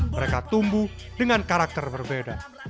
mereka tumbuh dengan karakter berbeda